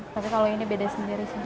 tapi kalau ini beda sendiri sih